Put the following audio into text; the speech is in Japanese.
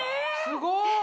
すごい！